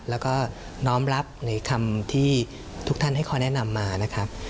แล้วก็น้อมรับในคำที่ทุกท่านให้ข้อแนะนำมานะครับ